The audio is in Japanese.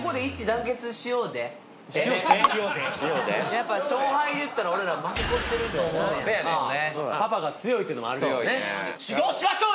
やっぱ勝敗でいったら俺ら負け越してると思うやんかパパが強いっていうのもあるけどね